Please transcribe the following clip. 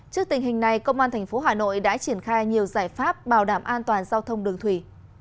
trước tình hình này công an tp hà nội đã triển khai nhiều giải pháp bảo đảm an toàn giao thông đường thủy